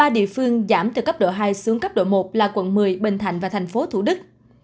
ba địa phương giảm từ cấp độ hai xuống cấp độ một là quận một mươi bình thạnh và thành phố thủ đức